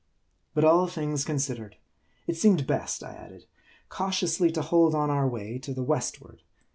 But all things considered, it seemed best, I added, cau tiously to hold on our way to the westward.